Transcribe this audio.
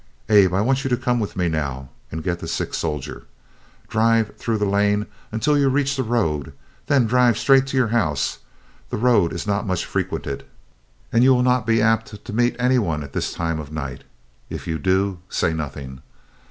"Abe, I want you to come with me now and get the sick soldier. Drive through the lane until you reach the road; then drive straight to your house. The road is not much frequented, and you will not be apt to meet any one at this time of night. If you do, say nothing.